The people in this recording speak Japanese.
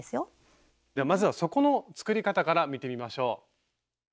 まずは底の作り方から見てみましょう。